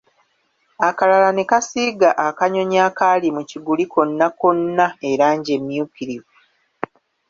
Akalala ne kasiiga akanyonyi akaali mu kiguli konna konna erangi emmyukirivu.